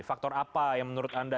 faktor apa yang menurut anda